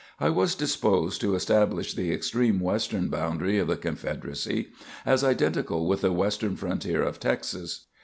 I was disposed to establish the extreme western boundary of the Confederacy as identical with the western frontier of Texas.